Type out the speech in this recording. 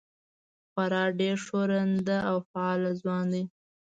خورا ډېر ښورنده او فعال ځوان دی.